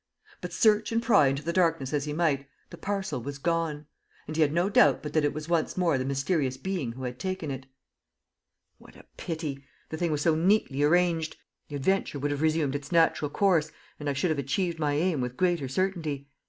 But, search and pry into the darkness as he might, the parcel was gone; and he had no doubt but that it was once more the mysterious being who had taken it. "What a pity! The thing was so neatly arranged! The adventure would have resumed its natural course, and I should have achieved my aim with greater certainty.